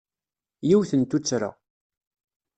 Yiwet n tuttra.